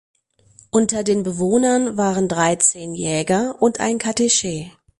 Unter den Bewohnern waren dreizehn Jäger und ein Katechet.